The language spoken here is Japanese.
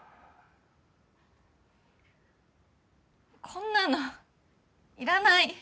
こんなのいらない。